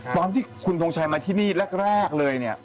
ตอนที่คุณทงชัยมาที่นี่แรกเลยเนี่ย